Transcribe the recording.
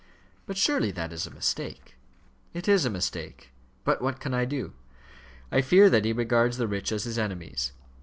"But surely that is a mistake?" "It is a mistake. But what can I do? I fear that he regards the rich as his enemies.